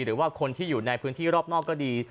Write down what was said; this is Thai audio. หรือว่าคนที่อยู่ในพื้นที่รอบนอกก็ดี